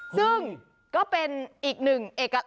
ซึ่งก็เป็นอีกหนึ่งเอ่ยกระดาษ